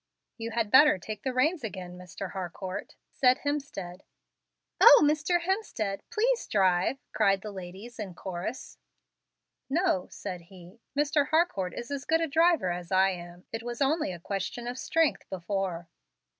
"You had better take the reins again, Mr. Harcourt," said Hemstead. "O Mr. Hemstead, please drive," cried the ladies, in chorus. "No," said he; "Mr. Harcourt is as good a driver as I am. It was only a question of strength before."